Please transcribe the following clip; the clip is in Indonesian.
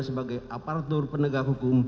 sebagai aparatur penegak hukum